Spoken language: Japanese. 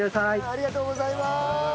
ありがとうございます！